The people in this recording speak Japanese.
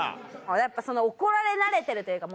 やっぱ怒られ慣れてるというかもう。